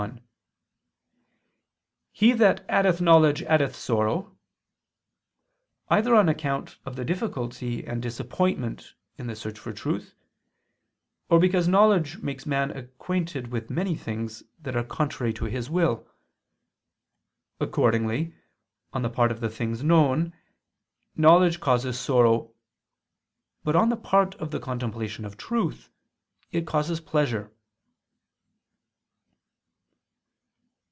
1: "He that addeth knowledge, addeth sorrow," either on account of the difficulty and disappointment in the search for truth; or because knowledge makes man acquainted with many things that are contrary to his will. Accordingly, on the part of the things known, knowledge causes sorrow: but on the part of the contemplation of truth, it causes pleasure.